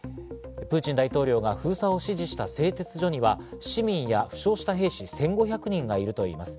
プーチン大統領が封鎖を指示した製鉄所には市民や負傷した兵士１５００人がいるといいます。